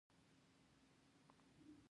هنګ په سمنګان کې کیږي